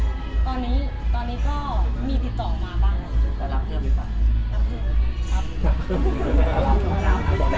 ส่วนธนายของเราก็บอกว่าเพลงนั้นก็สามารถเอาไปร้องได้ด้วย